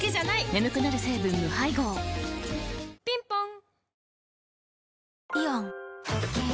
眠くなる成分無配合ぴんぽん